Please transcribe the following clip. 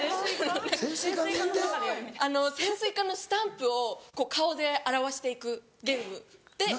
潜水艦のスタンプを顔で表していくゲームで。